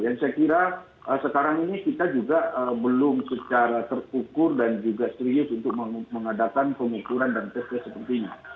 saya kira sekarang ini kita juga belum secara terukur dan juga serius untuk mengadakan pengukuran dan tes tes sepertinya